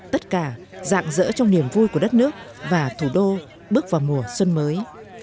tất cả dạng dỡ trong niềm vui của đất nước và thủ đô bước vào mùa xuân mới